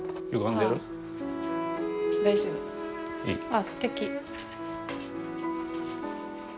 あすてき。